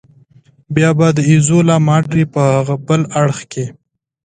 بیا به د ایزولا ماډرې په هاغه بل اړخ کې.